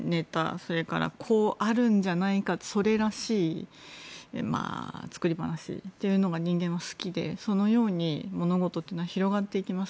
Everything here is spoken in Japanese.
それからこうあるんじゃないかというそれらしい作り話というのが人間は好きでそのように物事っていうのは広がっていきます。